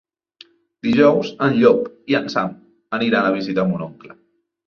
Dijous en Llop i en Sam aniran a visitar mon oncle.